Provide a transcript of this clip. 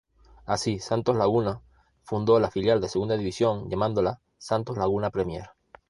Así, Santos Laguna fundó la filial de Segunda División llamándola "Santos Laguna Premier".